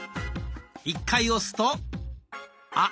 １回押すと「あ」。